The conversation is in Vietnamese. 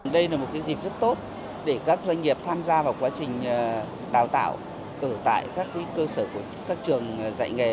đây là một dịp rất tốt để các doanh nghiệp tham gia vào quá trình đào tạo ở tại các cơ sở của các trường dạy nghề